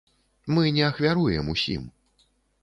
Мы не ахвяруем усім.